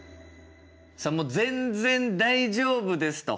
さあもう全然大丈夫ですと。